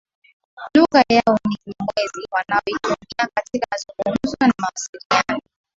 Lugha yao ni Kinyamwezi wanayoitumia katika mazungumzo na mawasiliano